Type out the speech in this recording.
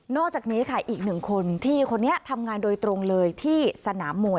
จากนี้ค่ะอีกหนึ่งคนที่คนนี้ทำงานโดยตรงเลยที่สนามมวย